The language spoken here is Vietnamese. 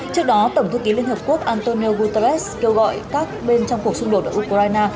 trước đó tổng thư ký liên hợp quốc antonio guterres kêu gọi các bên trong cuộc xung đột ở ukraine